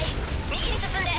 右に進んで。